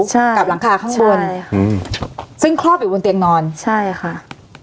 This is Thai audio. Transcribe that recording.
ใช่กับหลังคาข้างบนใช่ค่ะอืมซึ่งคลอบอยู่บนเตียงนอนใช่ค่ะ